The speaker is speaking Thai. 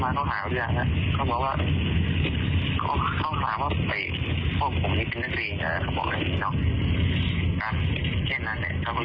แค่นั้นเนี่ยเขาก็ยุ่งเกล็ด